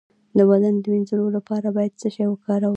د بدن د مینځلو لپاره باید څه شی وکاروم؟